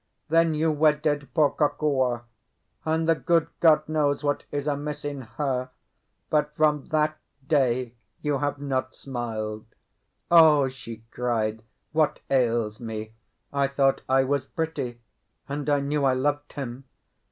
Then you wedded poor Kokua; and the good God knows what is amiss in her—but from that day you have not smiled. Oh!" she cried, "what ails me? I thought I was pretty, and I knew I loved him.